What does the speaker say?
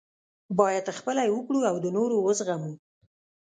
باید خپله یې وکړو او د نورو وزغمو.